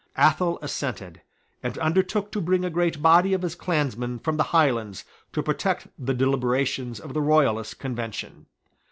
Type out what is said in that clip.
Athol assented, and undertook to bring a great body of his clansmen from the Highlands to protect the deliberations of the Royalist Convention.